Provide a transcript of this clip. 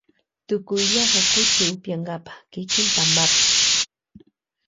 Tukuylla hakuchi upiyankapa kiki pampapi.